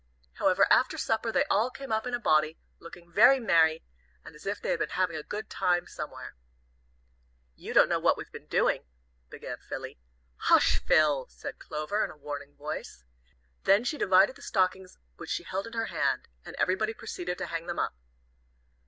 However, after supper they all came up in a body, looking very merry, and as if they had been having a good time somewhere. "You don't know what we've been doing," began Philly. "Hush, Phil!" said Clover, in a warning voice. Then she divided the stockings which she held in her hand. And everybody proceeded to hang them up.